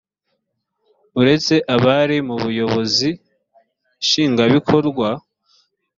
uretse abari mu buyobozi nshingwabikorwa